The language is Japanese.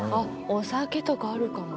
お酒とかあるかも。